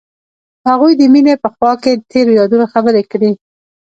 هغوی د مینه په خوا کې تیرو یادونو خبرې کړې.